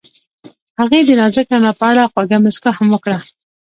هغې د نازک رڼا په اړه خوږه موسکا هم وکړه.